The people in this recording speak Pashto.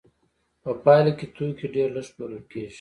په پایله کې توکي ډېر لږ پلورل کېږي